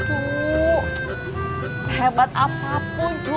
aduh cuy sehebat apapun cuy